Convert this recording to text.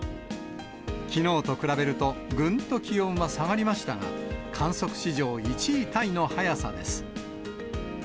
きのうと比べると、ぐんと気温は下がりましたが、観測史上１位タイの早さです。